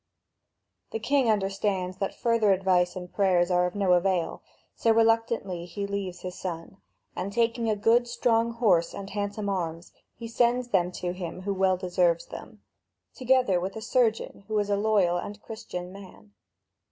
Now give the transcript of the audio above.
The king understands that further advice and prayers are of no avail, so reluctantly he leaves his son and, taking a good, strong horse and handsome arms, he sends them to him who well deserves them, together with a surgeon who was a loyal and Christian man.